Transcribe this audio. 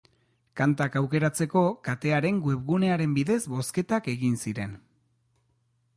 Kantak aukeratzeko katearen webgunearen bidez bozketak egin ziren.